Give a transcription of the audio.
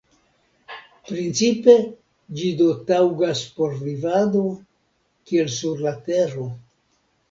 Principe ĝi do taŭgas por vivado, kiel sur la Tero.